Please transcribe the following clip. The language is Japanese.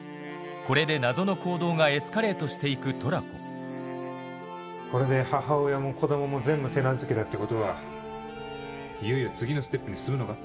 これで謎の行動がエスカレートして行くトラコこれで母親も子供も全部手なずけたってことはいよいよ次のステップに進むのか？